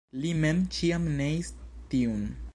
Li mem ĉiam neis tiun.